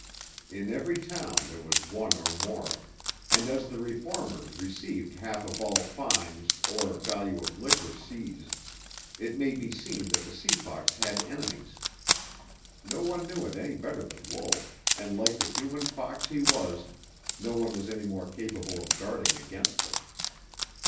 In every town there was one or more, and as the reformers received half of all fines or value of liquor seized it may be seen that the Sea Fox had enemies. No one knew it any better than Wolf, and, like the human fox he was, no one was any more capable of guarding against them.